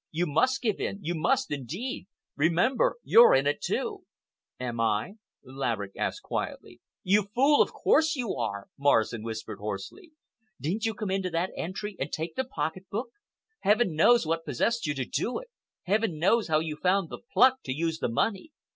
You must give in—you must, indeed! Remember you're in it, too." "Am I?" Laverick asked quietly. "You fool, of course you are!" Morrison whispered hoarsely. "Didn't you come into the entry and take the pocket book? Heaven knows what possessed you to do it! Heaven knows how you found the pluck to use the money!